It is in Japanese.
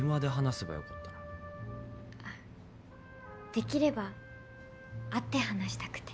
できれば会って話したくて。